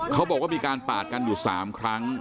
เขาบอกว่ามีการปาดกันอยู่๓ครั้ง